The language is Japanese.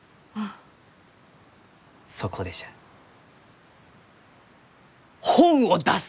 そこでじゃ本を出す！